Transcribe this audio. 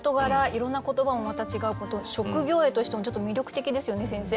いろんな言葉もまた違うこと職業詠としてもちょっと魅力的ですよね先生。